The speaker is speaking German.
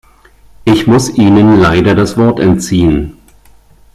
Ich muss Ihnen leider das Wort entziehen.